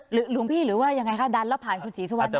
หลวงพี่หรือว่ายังไงคะดันแล้วผ่านคุณศรีสุวรรณ